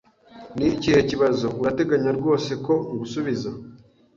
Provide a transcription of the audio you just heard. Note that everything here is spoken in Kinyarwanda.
Ni ikihe kibazo? Urateganya rwose ko ngusubiza?